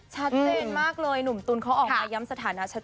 ชัดเจนมากเลยหนุ่มตั๋นเขาออกมายัมสถานะ